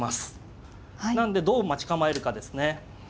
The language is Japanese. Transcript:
なんでどう待ち構えるかですね。